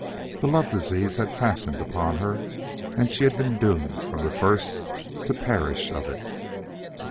The love disease had fastened upon her, and she had been doomed from the first to perish of it.